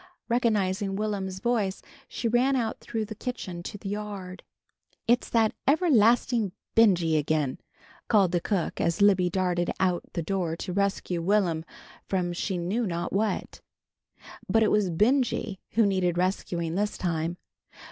Recognizing Will'm's voice she ran out through the kitchen to the yard. "It's that everlastin' Benjy, again!" called the cook as Libby darted out the door to rescue Will'm from she knew not what. But it was Benjy who needed rescuing this time.